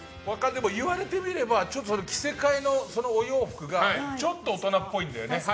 言われてみれば着せ替えのお洋服がちょっと大人っぽいんだよね。